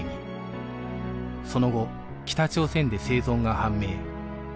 その後北朝鮮で生存が判明